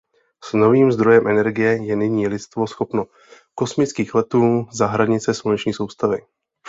S novým zdrojem energie je nyní lidstvo schopno kosmických letů za hranice Sluneční soustavy.